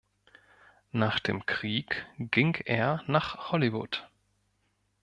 Nach dem Krieg ging er nach Hollywood.